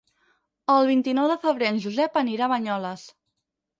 El vint-i-nou de febrer en Josep anirà a Banyoles.